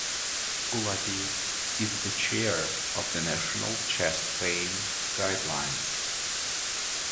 Gulati is the Chair of the National Chest Pain Guidelines.